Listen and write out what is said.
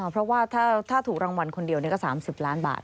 เพราะว่าถ้าถูกรางวัลคนเดียวก็๓๐ล้านบาท